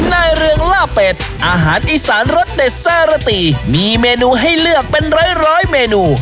ในเรืองล่าเป็ดอาหารอีสานรสเด็ดสารตีมีเมนูให้เลือกเป็นร้อยร้อยเมนู